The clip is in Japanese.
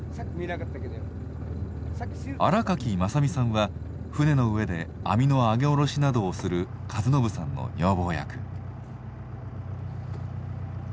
新垣正美さんは船の上で網の上げ下ろしなどをする和伸さんの女房役。